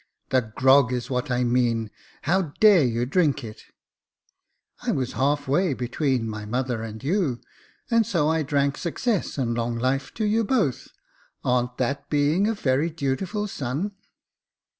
The grog is what I mean — how dare you drink it ?"*' I was half way between my mother and you, and so I drank success and long life to you both. Arn't that being a very dutiful son